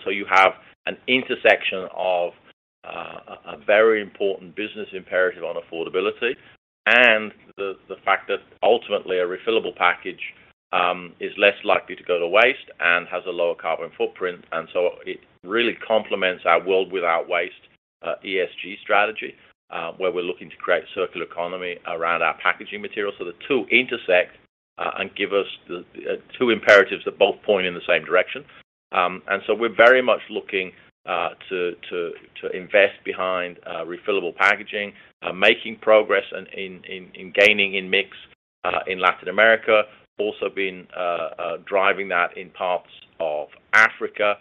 You have an intersection of a very important business imperative on affordability and the fact that ultimately a refillable package is less likely to go to waste and has a lower carbon footprint. It really complements our World Without Waste ESG strategy, where we're looking to create circular economy around our packaging material. The two intersect and give us the two imperatives that both point in the same direction. We're very much looking to invest behind refillable packaging, making progress in gaining in mix in Latin America. We've also been driving that in parts of Africa.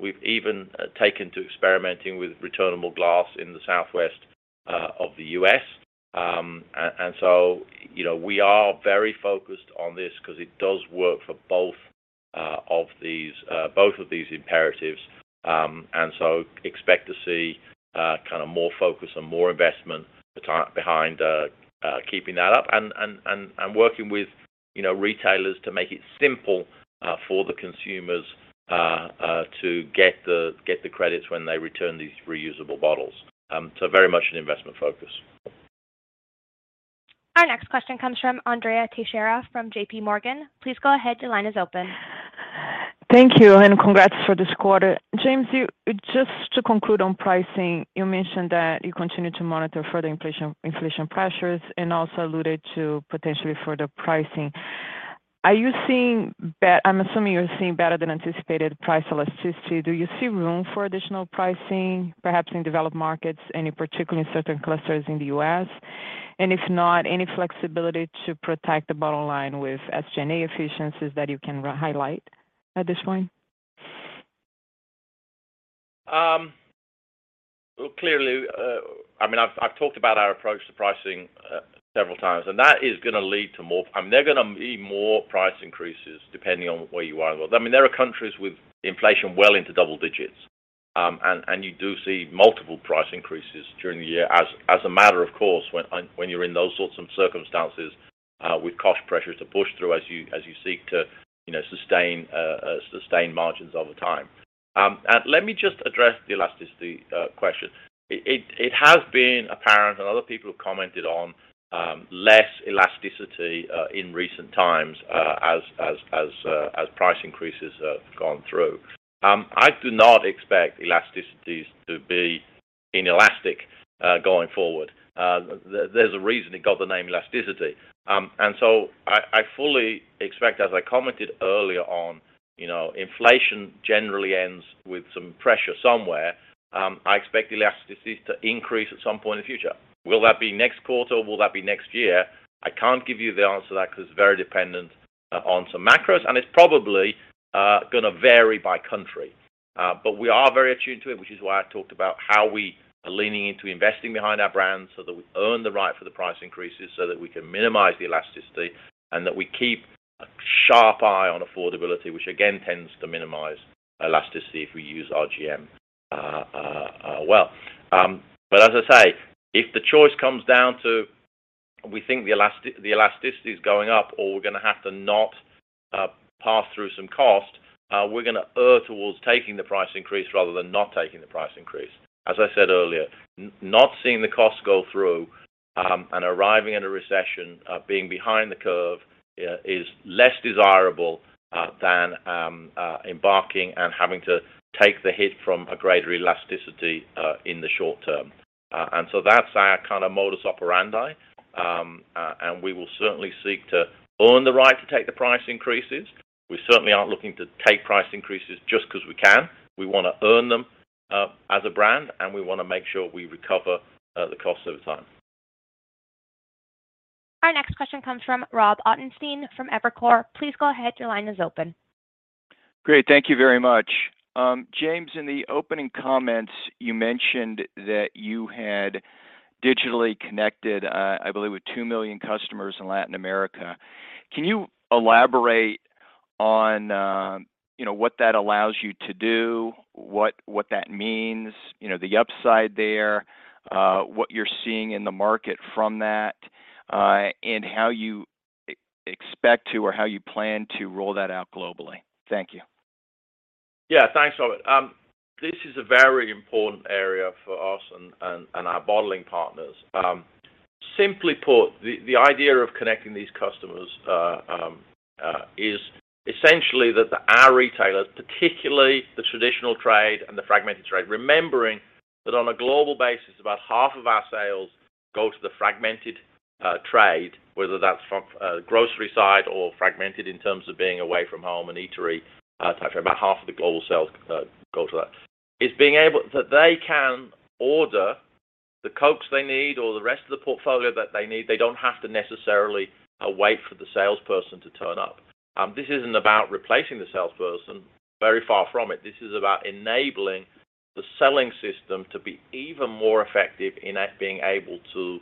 We've even taken to experimenting with returnable glass in the Southwest of the U.S. You know, we are very focused on this because it does work for both of these imperatives. Expect to see kind of more focus and more investment behind keeping that up and working with retailers to make it simple for the consumers to get the credits when they return these reusable bottles. Very much an investment focus. Our next question comes from Andrea Teixeira from JPMorgan. Please go ahead. Your line is open. Thank you, and congrats for this quarter. James, just to conclude on pricing, you mentioned that you continue to monitor further inflation pressures and also alluded to potentially further pricing. Are you seeing I'm assuming you're seeing better than anticipated price elasticity. Do you see room for additional pricing, perhaps in developed markets, any particularly in certain clusters in the U.S.? If not, any flexibility to protect the bottom line with SG&A efficiencies that you can highlight at this point? Well, clearly, I mean, I've talked about our approach to pricing several times, and that is gonna lead to more. I mean, there are gonna be more price increases depending on where you are. I mean, there are countries with inflation well into double digits, and you do see multiple price increases during the year as a matter of course when you're in those sorts of circumstances with cost pressures to push through as you seek to, sustain margins over time. Let me just address the elasticity question. It has been apparent and other people have commented on less elasticity in recent times as price increases have gone through. I do not expect elasticities to be inelastic going forward. There's a reason it got the name elasticity. I fully expect, as I commented earlier on inflation generally ends with some pressure somewhere. I expect elasticities to increase at some point in the future. Will that be next quarter? Will that be next year? I can't give you the answer to that because it's very dependent on some macros, and it's probably gonna vary by country. We are very attuned to it, which is why I talked about how we are leaning into investing behind our brand so that we earn the right for the price increases so that we can minimize the elasticity and that we keep a sharp eye on affordability, which again tends to minimize elasticity if we use RGM, well. As I say, if the choice comes down to we think the elasticity is going up or we're gonna have to not pass through some cost, we're gonna err towards taking the price increase rather than not taking the price increase. As I said earlier, not seeing the cost go through and arriving at a recession being behind the curve is less desirable than embarking and having to take the hit from a greater elasticity in the short term. That's our kind of modus operandi. We will certainly seek to earn the right to take the price increases. We certainly aren't looking to take price increases just 'cause we can. We wanna earn them as a brand, and we wanna make sure we recover the cost over time. Our next question comes from Robert Ottenstein from Evercore. Please go ahead. Your line is open. Great. Thank you very much. James, in the opening comments, you mentioned that you had digitally connected, I believe 2 million customers in Latin America. Can you elaborate on what that allows you to do, what that means the upside there, what you're seeing in the market from that, and how you expect to or how you plan to roll that out globally? Thank you. Yeah. Thanks, Robert. This is a very important area for us and our bottling partners. Simply put, the idea of connecting these customers is essentially that our retailers, particularly the traditional trade and the fragmented trade, remembering that on a global basis, about half of our sales go to the fragmented trade, whether that's from grocery side or fragmented in terms of being away from home, an eatery type of thing. About half of the global sales go to that. That they can order the Cokes they need or the rest of the portfolio that they need. They don't have to necessarily wait for the salesperson to turn up. This isn't about replacing the salesperson. Very far from it. This is about enabling the selling system to be even more effective in being able to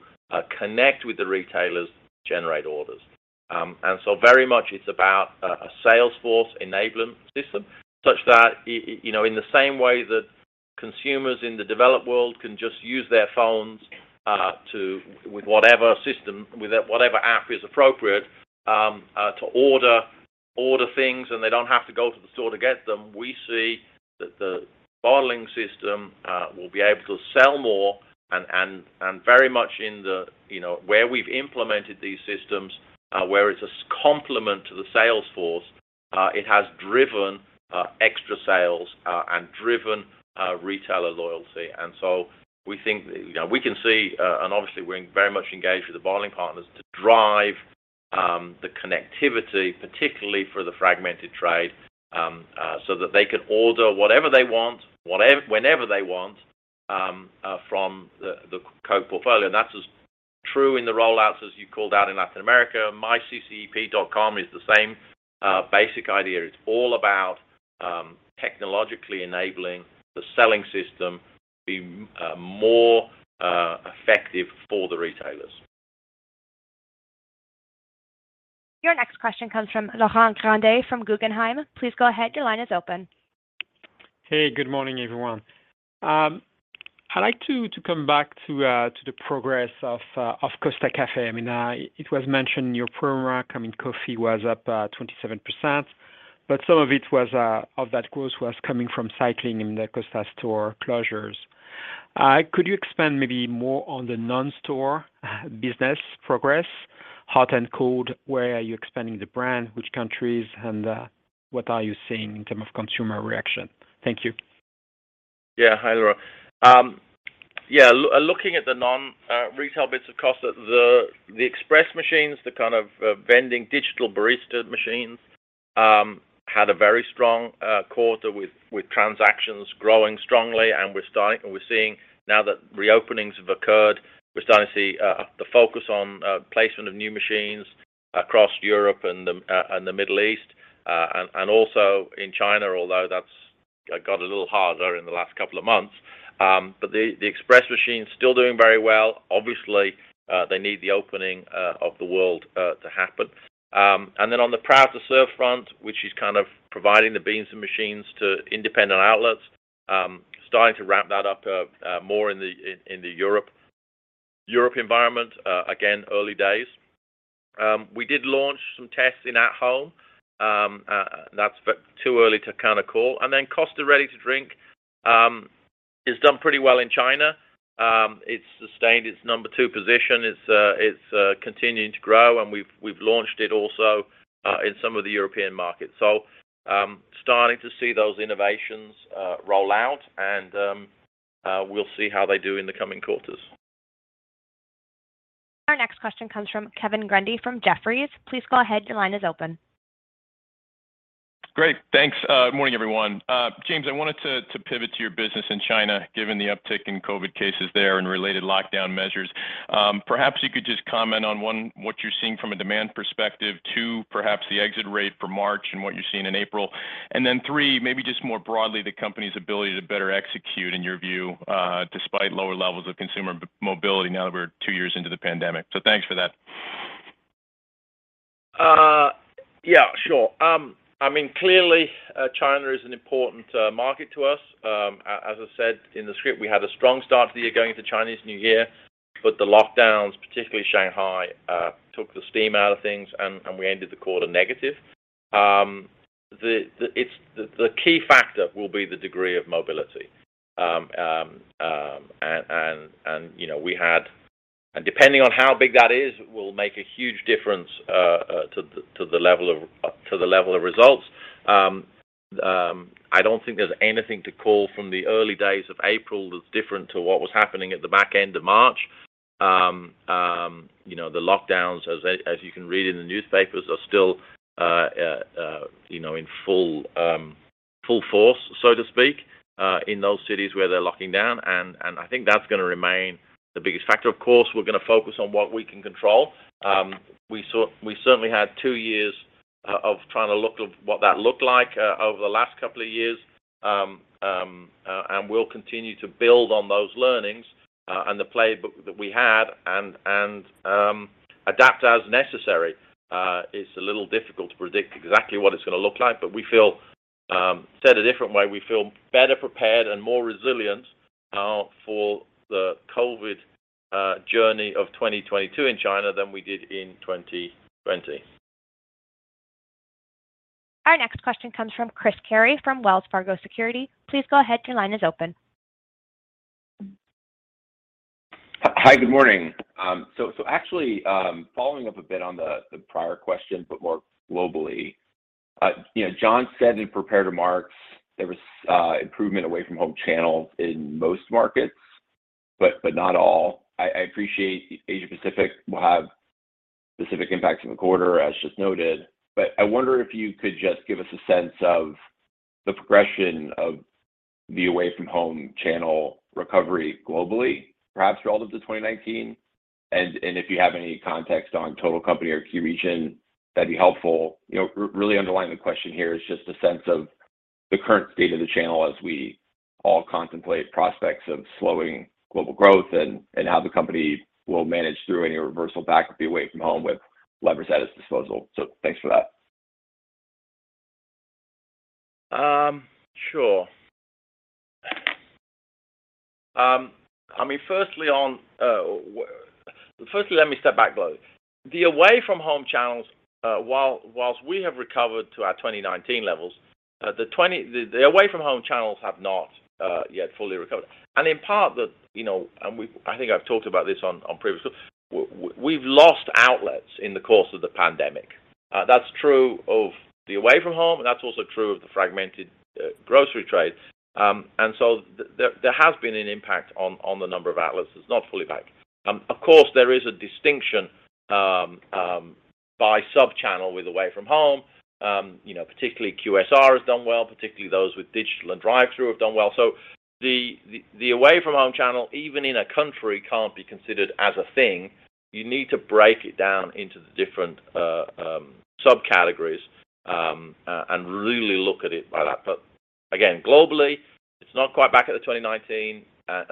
connect with the retailers, generate orders. Very much it's about a sales force enablement system such that you know, in the same way that consumers in the developed world can just use their phones to with whatever system, with whatever app is appropriate, to order things, and they don't have to go to the store to get them, we see that the bottling system will be able to sell more and very much in the where we've implemented these systems, where it's a complement to the sales force. It has driven extra sales and driven retailer loyalty. We think we can see, and obviously we're very much engaged with the bottling partners to drive the connectivity, particularly for the fragmented trade, so that they can order whatever they want, whenever they want, from the Coke portfolio. That's as true in the rollouts as you called out in Latin America. myCCEP.com is the same basic idea. It's all about technologically enabling the selling system to be more effective for the retailers. Your next question comes from Laurent Grandet from Guggenheim. Please go ahead, your line is open. Hey, good morning, everyone. I'd like to come back to the progress of Costa Coffee. I mean, it was mentioned in your Our next question comes from Chris Carey from Wells Fargo Securities. Please go ahead, your line is open. Hi, good morning. Actually, following up a bit on the prior question, but more globally. You know, John said in prepared remarks there was improvement away from home channels in most markets, but not all. I appreciate Asia Pacific will have specific impacts in the quarter, as just noted. I wonder if you could just give us a sense of the progression of the away from home channel recovery globally, perhaps relative to 2019. If you have any context on total company or key region, that'd be helpful. You know, really underlying the question here is just a sense of the current state of the channel as we all contemplate prospects of slowing global growth and how the company will manage through any reversal back of the away from home with levers at its disposal. Thanks for that. Sure. I mean, firstly, let me step back globally. The away-from-home channels, while we have recovered to our 2019 levels, the away-from-home channels have not yet fully recovered. In part, I think I've talked about this on previous calls. We've lost outlets in the course of the pandemic. That's true of the away-from-home, and that's also true of the fragmented grocery trade. There has been an impact on the number of outlets. It's not fully back. Of course, there is a distinction by sub-channel with away-from-home. You know, particularly QSR has done well, particularly those with digital and drive-through have done well. The away-from-home channel, even in a country, can't be considered as a thing. You need to break it down into the different subcategories and really look at it like that. Again, globally, it's not quite back at the 2019.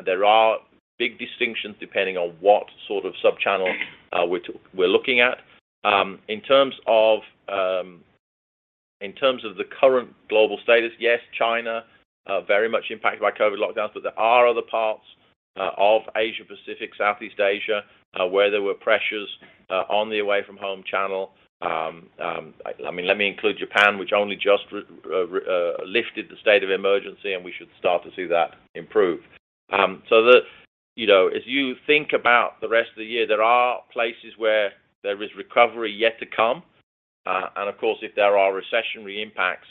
There are big distinctions depending on what sort of sub-channel we're looking at. In terms of the current global status, yes, China very much impacted by COVID lockdowns, but there are other parts of Asia-Pacific, Southeast Asia where there were pressures on the away-from-home channel. Let me include Japan, which only just lifted the state of emergency, and we should start to see that improve. You know, as you think about the rest of the year, there are places where there is recovery yet to come. Of course, if there are recessionary impacts,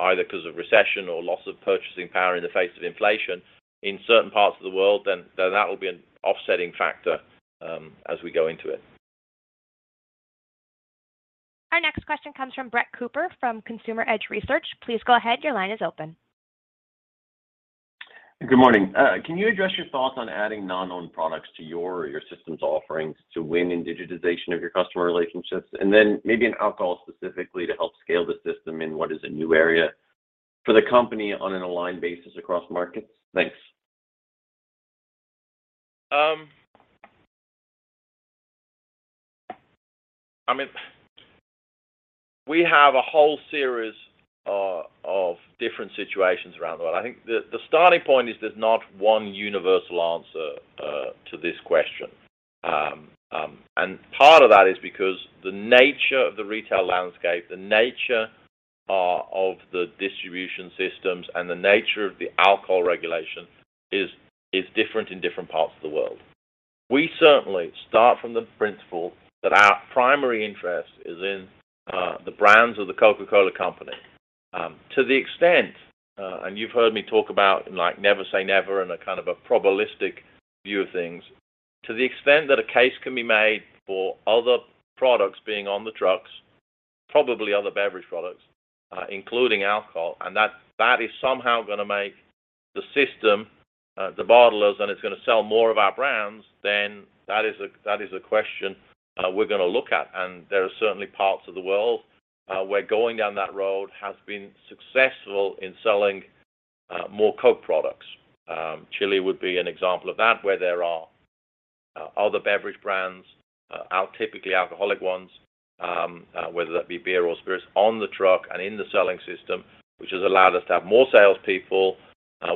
either 'cause of recession or loss of purchasing power in the face of inflation in certain parts of the world, that will be an offsetting factor as we go into it. Our next question comes from Brett Cooper from Consumer Edge Research. Please go ahead. Your line is open. Good morning. Can you address your thoughts on adding non-own products to your system's offerings to win in digitization of your customer relationships? Maybe in alcohol specifically to help scale the system in what is a new area for the company on an aligned basis across markets. Thanks. I mean, we have a whole series of different situations around the world. I think the starting point is there's not one universal answer to this question. Part of that is because the nature of the retail landscape, the nature of the distribution systems, and the nature of the alcohol regulation is different in different parts of the world. We certainly start from the principle that our primary interest is in the brands of The Coca-Cola Company. To the extent, and you've heard me talk about like never say never and a kind of a probabilistic view of things, to the extent that a case can be made for other products being on the trucks, probably other beverage products, including alcohol, and that is somehow gonna make the system, the bottlers, and it's gonna sell more of our brands, then that is a question we're gonna look at. There are certainly parts of the world where going down that road has been successful in selling more Coke products. Chile would be an example of that, where there are other beverage brands, typically alcoholic ones, whether that be beer or spirits, on the truck and in the selling system, which has allowed us to have more sales people,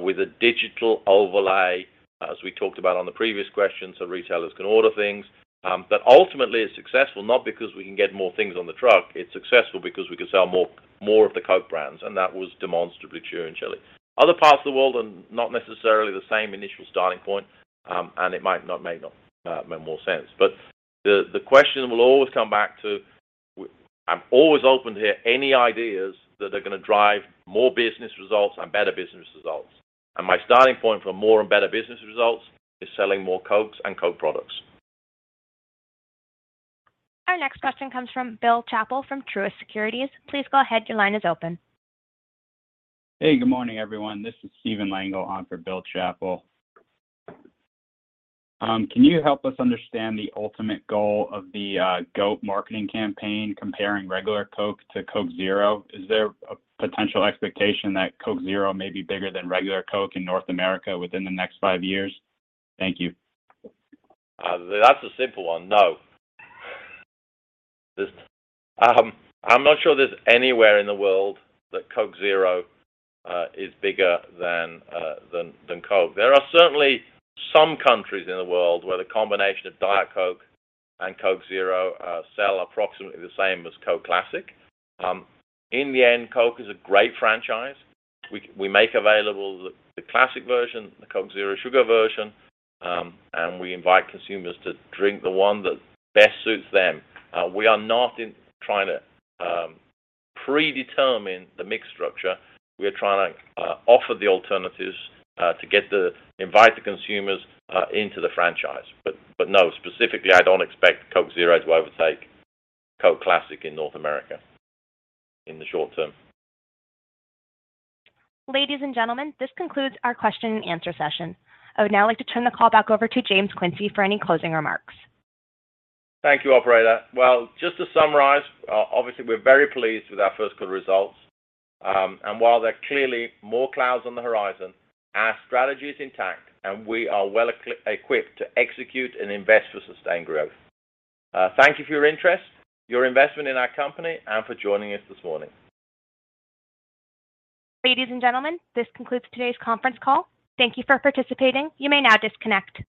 with a digital overlay, as we talked about on the previous question, so retailers can order things. Ultimately, it's successful not because we can get more things on the truck. It's successful because we can sell more of the Coke brands, and that was demonstrably true in Chile. Other parts of the world are not necessarily the same initial starting point, and it may not make more sense. The question will always come back to. I'm always open to hear any ideas that are gonna drive more business results and better business results. My starting point for more and better business results is selling more Cokes and Coke products. Our next question comes from Bill Chappell from Truist Securities. Please go ahead. Your line is open. Hey, good morning, everyone. This is Stephen Lengel on for Bill Chappell. Can you help us understand the ultimate goal of the GOAT marketing campaign comparing regular Coke to Coke Zero? Is there a potential expectation that Coke Zero may be bigger than regular Coke in North America within the next five years? Thank you. That's a simple one. No. I'm not sure there's anywhere in the world that Coke Zero is bigger than Coke. There are certainly some countries in the world where the combination of Diet Coke and Coke Zero sell approximately the same as Coke Classic. In the end, Coke is a great franchise. We make available the classic version, the Coke Zero Sugar version, and we invite consumers to drink the one that best suits them. We are not trying to predetermine the mix structure. We are trying to offer the alternatives to invite the consumers into the franchise. No, specifically, I don't expect Coke Zero to overtake Coke Classic in North America in the short term. Ladies and gentlemen, this concludes our question and answer session. I would now like to turn the call back over to James Quincey for any closing remarks. Thank you, operator. Well, just to summarize, obviously, we're very pleased with our first quarter results. While there are clearly more clouds on the horizon, our strategy is intact, and we are well equipped to execute and invest for sustained growth. Thank you for your interest, your investment in our company, and for joining us this morning. Ladies and gentlemen, this concludes today's conference call. Thank you for participating. You may now disconnect.